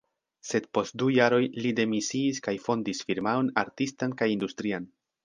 Sed post du jaroj li demisiis kaj fondis firmaon artistan kaj industrian.